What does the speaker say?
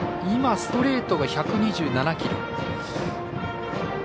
今、ストレートが１２７キロ。